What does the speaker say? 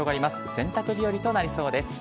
洗濯日和となりそうです。